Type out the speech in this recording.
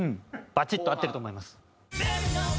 バチッと合ってると思います。